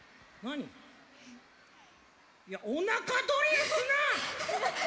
いやおなかドリルすな！